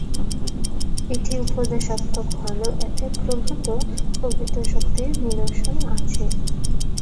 এটি উপদেশাত্মক হলেও এতে প্রভূত কবিত্বশক্তির নিদর্শন আছে।